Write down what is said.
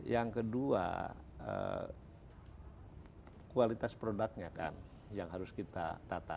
yang kedua kualitas produknya kan yang harus kita tata